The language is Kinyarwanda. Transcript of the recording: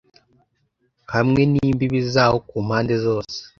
hamwe n'imbibi zawo ku mpande zose